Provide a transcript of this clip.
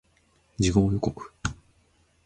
次号予告